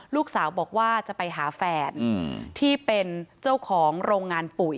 ลูกสาวบอกว่าจะไปหาแฟนที่เป็นเจ้าของโรงงานปุ๋ย